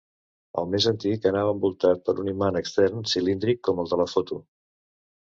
El més antic anava envoltat per un imant extern cilíndric, com el de la foto.